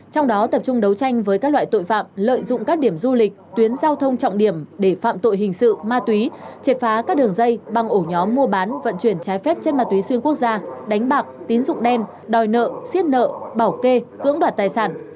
trong đó tập trung đấu tranh với các loại tội phạm lợi dụng các điểm du lịch tuyến giao thông trọng điểm để phạm tội hình sự ma túy triệt phá các đường dây băng ổ nhóm mua bán vận chuyển trái phép trên ma túy xuyên quốc gia đánh bạc tín dụng đen đòi nợ xiết nợ bảo kê cưỡng đoạt tài sản